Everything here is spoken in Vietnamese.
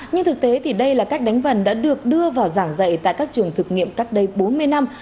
nhưng thực tế thì đây là cách đánh vần đã được đưa vào giảng dạy tại các trường thực nghiệm cách đây bốn mươi năm